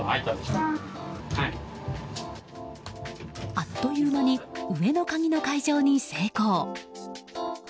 あっという間に上の鍵の開錠に成功。